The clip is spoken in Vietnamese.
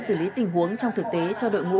xử lý tình huống trong thực tế cho đội ngũ